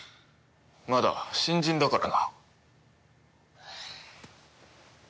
まだ新人だからな。